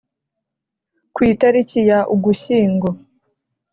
Ku itariki ya ugushyingo